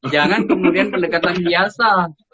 jangan kemudian pendekatan biasa